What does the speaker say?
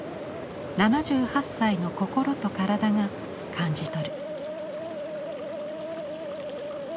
７８歳の心と体が感じ取る。